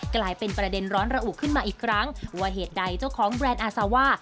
กลายเป็นประเด็นร้อนระอุขึ้นมาอีกครั้งว่าเหตุใดเจ้าของแบรนด์อาซาว่า